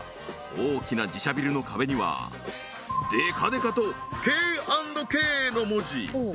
大きな自社ビルの壁にはでかでかと「Ｋ＆Ｋ」の文字